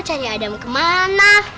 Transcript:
kita mau cari adam kemana